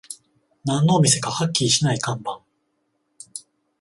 何のお店かはっきりしない看板